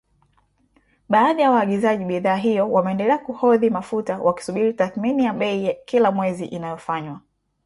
Baadhi ya waagizaji bidhaa hiyo wameendelea kuhodhi mafuta wakisubiri tathmini ya bei kila mwezi inayofanywa